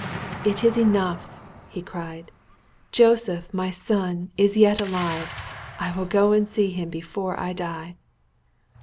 "It is enough," he cried. "Joseph, my son, is yet alive; I will go and see him before I die."